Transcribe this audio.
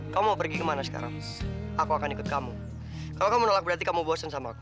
kamu mau pergi kemana sekarang aku akan ikut kamu kalau kamu menolak berarti kamu bosen sama aku